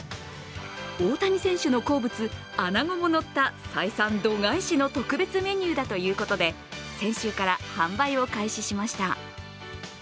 大谷選手の好物、アナゴものった採算度外視の特別メニューだということで、先週から販売を開始しました。